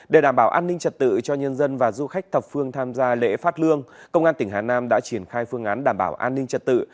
để đảm bảo an ninh trật tự cho nhân dân và du khách thập phương tham gia lễ phát lương công an tỉnh hà nam đã triển khai phương án đảm bảo an ninh trật tự